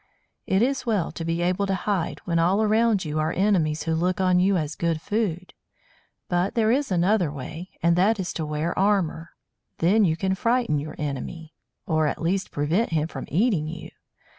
It is well to be able to hide, when all around you are enemies who look on you as good food. But there is another way, and that is to wear armour. Then you can frighten your enemy, or at least prevent him from eating you.